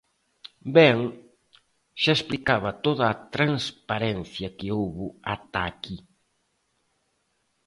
Ben, xa explicaba toda a transparencia que houbo ata aquí.